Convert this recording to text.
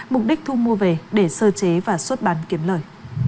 mục đích thu mua về để sơ chế và xuất bán kiếm lời